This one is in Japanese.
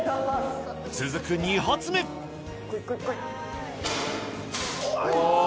続く２発目うわ！